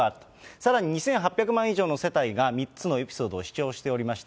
さらに２８００万以上の世帯が３つのエピソードを視聴しておりまして。